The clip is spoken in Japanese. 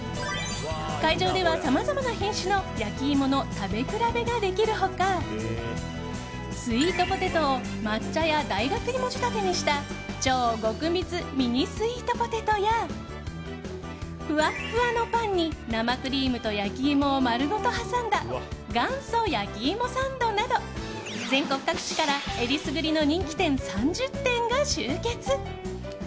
会場では、さまざまな品種の焼き芋の食べ比べができる他スイートポテトを抹茶や大学芋仕立てにした超極蜜ミニスイートポテトやふわっふわのパンに生クリームと焼き芋を丸ごと挟んだ元祖焼き芋サンドなど全国各地からえりすぐりの人気店３０点が集結。